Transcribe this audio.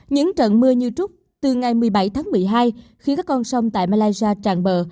những trận mưa như trúc từ ngày một mươi bảy tháng một mươi hai khiến các con sông tại malaysia tràn bờ